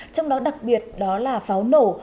trong đó đặc biệt đó là pháo nổ